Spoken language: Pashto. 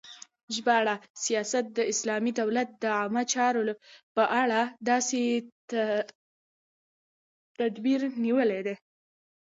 ژباړه : سیاست د اسلامی دولت د عامه چارو په اړه داسی تدبیر نیول دی